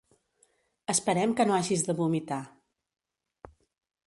Esperem que no hagis de vomitar.